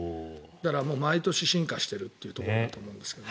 だから毎年進化しているということだと思うんですが。